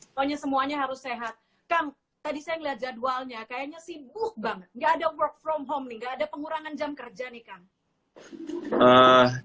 nggak ada work from home nih nggak ada pengurangan jam kerja nih kang